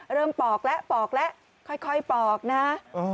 เริ่มปอกแล้วปอกแล้วค่อยค่อยปอกน่ะเออ